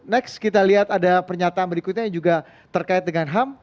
next kita lihat ada pernyataan berikutnya yang juga terkait dengan ham